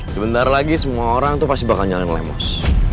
sebentar lagi semua orang pasti bakal nyari lemos